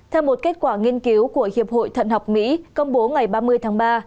theo một kết quả nghiên cứu của hiệp hội thận học mỹ công bố ngày ba mươi tháng ba